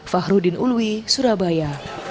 fahrudin uluwi surabaya